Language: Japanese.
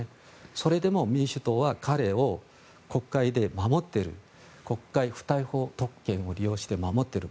それでも民主党は彼を国会で守っている国会不逮捕特権を利用して守っている。